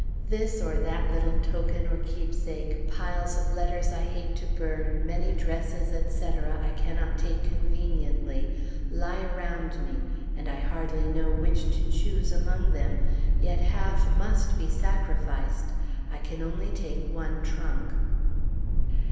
This or that little token or keepsake, piles of letters I hate to burn, many dresses, etc., I cannot take conveniently, lie around me, and I hardly know which to choose among them, yet half must be sacrificed; I can only take one trunk.